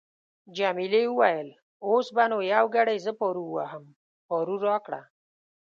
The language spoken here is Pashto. جميلې وويل:: اوس به نو یو ګړی زه پارو وواهم، پارو راکړه.